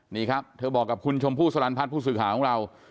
นี่ครับเธอบอกกับคุณชมพู่สลันพัฒน์ผู้สื่อข่าวของเรา